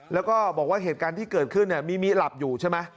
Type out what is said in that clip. แล้วก็บอกว่าเหตุการณ์ที่เกิดขึ้นมีหลับอยู่ใช่ไหม